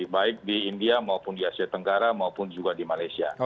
baik di india maupun di asia tenggara maupun juga di malaysia